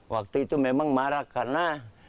waktu itu memang marak karena